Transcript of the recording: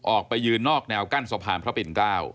ออกไปยืนนอกแนวกั้นสะพานพระปิ่น๙